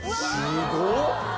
すごっ！